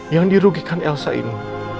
yang dirugikan elsa ini